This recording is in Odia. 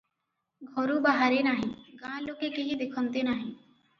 ଘରୁ ବାହାରେ ନାହିଁ, ଗାଁ ଲୋକେ କେହି ଦେଖନ୍ତିନାହିଁ ।